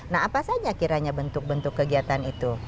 nah apa saja kiranya bentuk bentuk kegiatan itu